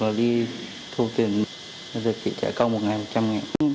mình đi thu tiền rồi chị trả công một ngày một trăm linh nghìn